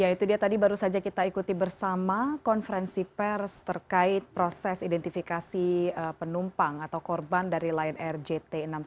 ya itu dia tadi baru saja kita ikuti bersama konferensi pers terkait proses identifikasi penumpang atau korban dari lion air jt enam ratus sepuluh